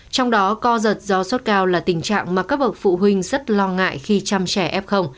trong đó co giật do sốt cao là tình trạng mà các bậc phụ huynh rất lo ngại khi chăm trẻ f